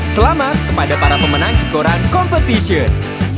selamat kepada para pemenang kikoran competition